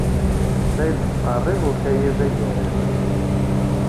La d-yettqerrib ukayad agaran.